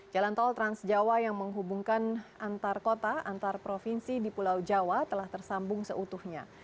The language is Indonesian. jalan tol transjawa yang menghubungkan antar kota antar provinsi di pulau jawa telah tersambung seutuhnya